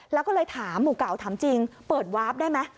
แล้วก็เลยถามหมู่เก่าถามจริงเปิดวาร์ฟได้ไหม